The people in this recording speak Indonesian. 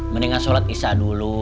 mendingan sholat isya dulu